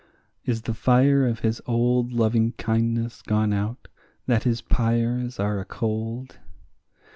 Is the fire of his old loving kindness gone out, that his pyres are acold?